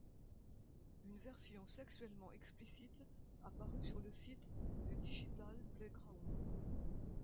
Une version sexuellement explicite apparue sur le site de Digital Playground.